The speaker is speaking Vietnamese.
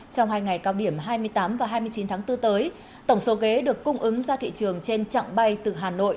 trong hai ngày cao điểm hai mươi tám và hai mươi chín tháng bốn tới tổng số ghế được cung ứng ra thị trường trên chặng bay từ hà nội